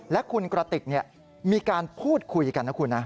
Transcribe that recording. และคุณกระติกมีการพูดคุยกันนะคุณนะ